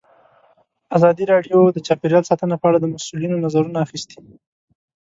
ازادي راډیو د چاپیریال ساتنه په اړه د مسؤلینو نظرونه اخیستي.